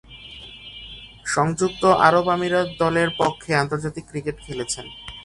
সংযুক্ত আরব আমিরাত দলের পক্ষে আন্তর্জাতিক ক্রিকেট খেলছেন।